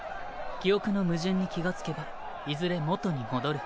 記憶の矛盾に気が付けばいずれ元に戻る。